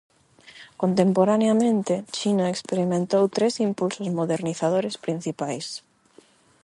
Contemporaneamente, China experimentou tres impulsos modernizadores principais.